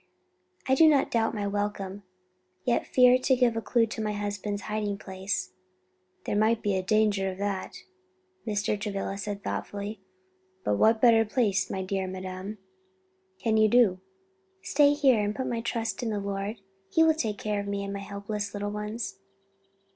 "I do not doubt my welcome; yet fear to give a clue to my husband's hiding place." "There might be danger of that," Mr. Travilla said thoughtfully, "but what better, my dear madam, can you do?" "Stay here and put my trust in the Lord. He will take care of me and my helpless little ones.